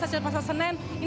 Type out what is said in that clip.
saya menunggu pasal pasal senin